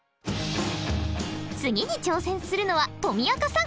次に挑戦するのはとみあかさん。